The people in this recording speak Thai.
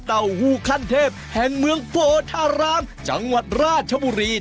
โรงงานเต้าหู้คันเทพฯแห่งเมืองโฟธารามจังหวัดราชบุรี